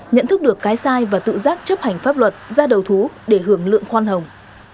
nhận thức được cái sai và tự giác chấp hành pháp luật ra đầu thú để hưởng lượng khoan hồng